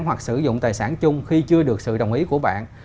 hoặc sử dụng tài sản chung khi chưa được sự đồng ý của bạn